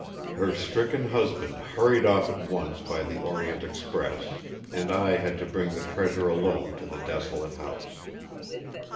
"Her stricken husband hurried off at once by the Orient Express; and I had to bring the treasure alone to the desolate house.